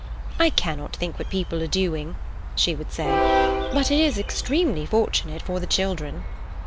"I cannot think what people are doing," she would say, "but it is extremely fortunate for the children."